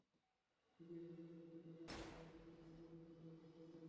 নিজের জীবন গোছাতে পারলে না এদিকে অন্যের জীবন শোধরাতে চললে।